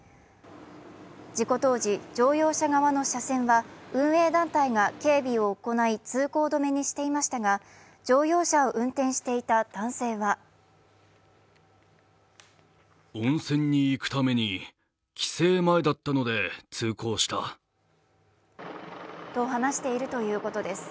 事故当時、乗用車側の車線は運営団体が警備を行い通行止めにしていましたが、乗用車を運転していた男性はと話しているということです。